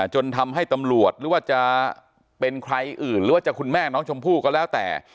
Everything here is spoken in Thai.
จนทำให้ตำรวจหรือว่าจะเป็นใครอื่นหรือว่าจะคุณแม่น้องชมพู่ก็แล้วแต่